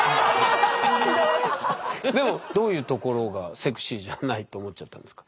どういうところが「セクシーじゃない」と思っちゃったんですか？